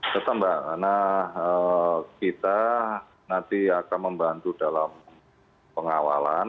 betul mbak kita nanti akan membantu dalam pengawalan